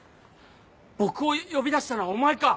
僕を呼び出したのはお前か！